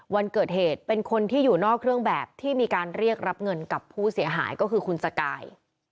วันเกิดเหตุเป็นคนที่อยู่นอกเครื่องแบบที่มีการเรียกรับเงินกับผู้เสียหายก็คือคุณสกาย